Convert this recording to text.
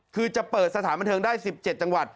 คือจะเปิดสถานบันเทิงได้๑๗จังหวัด